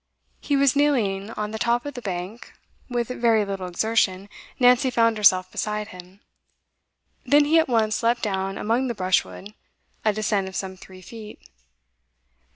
He was kneeling on the top of the bank. With very little exertion, Nancy found herself beside him. Then he at once leapt down among the brushwood, a descent of some three feet.